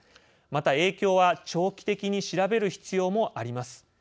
また影響は長期的に調べる必要もあります。